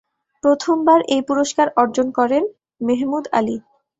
প্রথমবার এই পুরস্কার অর্জন করেন মেহমুদ আলি।